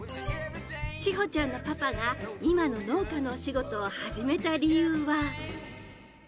千穂ちゃんのパパが今の農家のお仕事を始めた理由は。